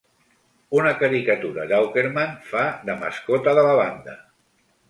Una caricatura d'Aukerman fa de mascota de la banda.